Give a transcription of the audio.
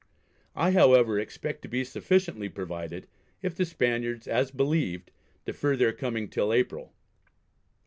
I, however, expect to be sufficiently provided, if the Spaniards, as believed, defer their coming till April.